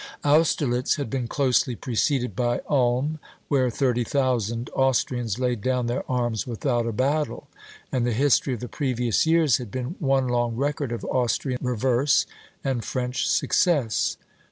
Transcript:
Austerlitz had been closely preceded by Ulm, where thirty thousand Austrians laid down their arms without a battle; and the history of the previous years had been one long record of Austrian reverse and French success.